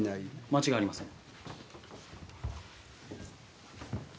間違いありません。